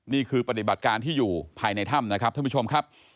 นี่คือปฏิบัติการที่อยู่ภายในถ้ำนะครับท่านผู้ชมครับ